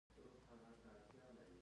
آیا دوی په کورنیو تولیداتو تکیه نه کوي؟